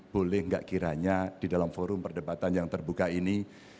boleh nggak kiranya di dalam forum perdebatan yang terbuka ini